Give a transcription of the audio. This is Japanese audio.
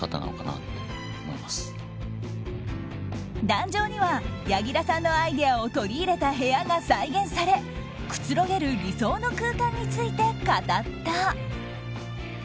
壇上には柳楽さんのアイデアを取り入れた部屋が再現されくつろげる理想の空間について語った。